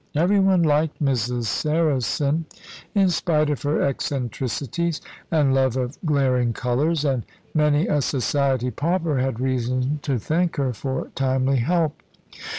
Every one liked Mrs. Saracen, in spite of her eccentricities, and love of glaring colours, and many a society pauper had reason to thank her for timely help.